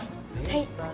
はい。